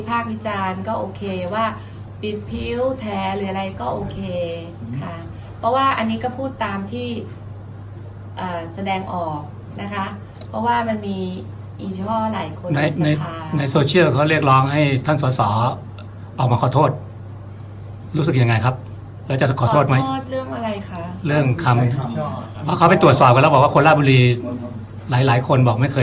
วิจารณ์ก็โอเคว่าปิดพิ้วแท้หรืออะไรก็โอเคค่ะเพราะว่าอันนี้ก็พูดตามที่แสดงออกนะคะเพราะว่ามันมีอีกเฉพาะหลายคนในในโซเชียลเขาเรียกร้องให้ท่านสอสอออกมาขอโทษรู้สึกยังไงครับแล้วจะขอโทษไหมโทษเรื่องอะไรคะเรื่องคำชอบเพราะเขาไปตรวจสอบกันแล้วบอกว่าคนราชบุรีหลายหลายคนบอกไม่เคย